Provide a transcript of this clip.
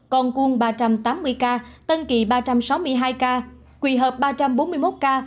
con quân ba trăm tám mươi ca tân kỳ ba trăm sáu mươi hai ca quỳ hợp ba trăm bốn mươi một ca